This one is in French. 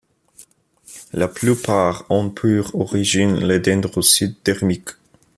La plupart ont pour origine les dendrocytes dermiques.